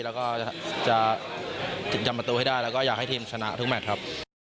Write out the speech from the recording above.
แล้วก็จะถึงจำประตูให้ได้แล้วก็อยากให้ทีมชนะทุกแมทครับ